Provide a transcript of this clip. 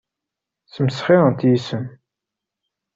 Ssmesxirent yes-m.